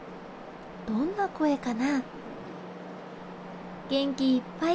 どんな声かな？